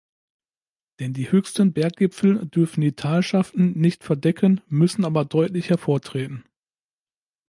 Denn die höchsten Berggipfel dürfen die Talschaften nicht verdecken, müssen aber deutlich hervortreten.